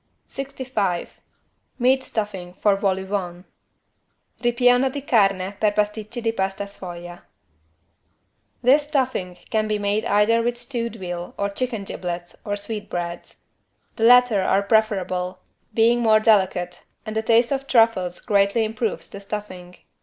65 MEAT STUFFING FOR VOL AU VENT (Ripieno di carne per pasticcini di pasta sfoglia) This stuffing can be made either with stewed veal or chicken giblets or sweetbreads. The latter are preferable, being more delicate and a taste of truffles greatly improves the stuffing.